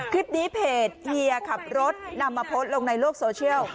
คลิปนี้เพจเฮียขับรถนำมาโพสต์ลงในโลกโซเชียล